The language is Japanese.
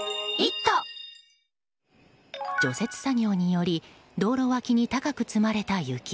除雪作業により道路脇に高く積まれた雪。